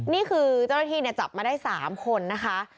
นี่คือเจ้าหน้าที่จับมาได้๓คนนะคะ